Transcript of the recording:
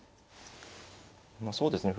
まあそうですね。